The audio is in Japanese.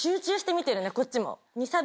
こっちも。